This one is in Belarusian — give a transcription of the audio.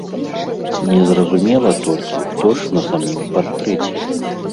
Незразумела толькі, хто ж на самім партрэце?